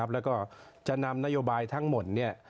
แล้วก็จะนำนโยบายทั้งหมด